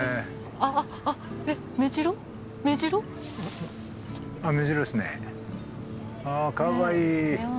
あかわいい。